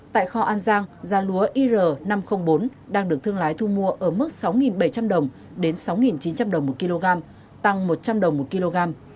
tại kho an giang giá lúa ir năm trăm linh bốn đang được thương lái thu mua ở mức sáu bảy trăm linh đồng đến sáu chín trăm linh đồng một kg tăng một trăm linh đồng một kg